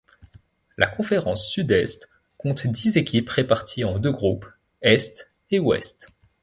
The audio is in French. La Conférence Sud-Est compte dix équipes réparties en deux groupes: Est et Ouest.